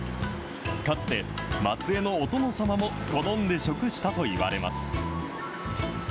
かつて、松江のお殿様も好んで食したといわれます。